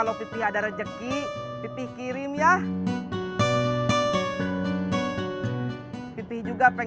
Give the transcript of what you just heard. bu tati habis kemalingan